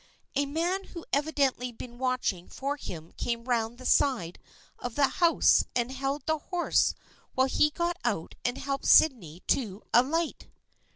A man who had evidently been watching for him came around the side of the house and held the horse while he got out and helped Sydney to alight.